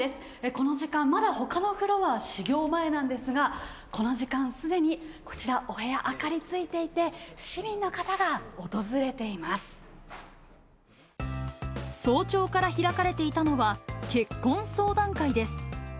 この時間、まだほかのフロア、始業前なんですが、この時間、すでにこちら、お部屋、明かりついていて、市民の方が訪れていま早朝から開かれていたのは、結婚相談会です。